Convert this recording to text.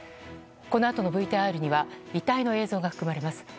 このあとのＶＴＲには遺体の映像が含まれます。